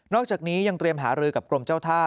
อกจากนี้ยังเตรียมหารือกับกรมเจ้าท่า